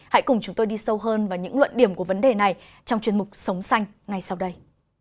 hãy cùng chúng tôi đi sâu hơn vào những luận điểm của vấn đề này trong chuyên mục sống xanh ngay sau đây